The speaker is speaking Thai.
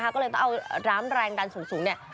ก็เลยต้องเอาน้ำแรงดันสูงเนี่ย